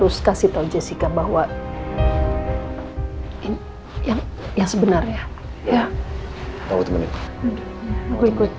aku o temasihkan agar lazaran kamu melihat diri